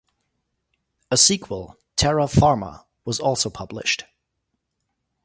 A sequel, "Terra-Farma", was also published.